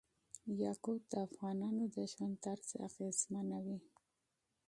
یاقوت د افغانانو د ژوند طرز اغېزمنوي.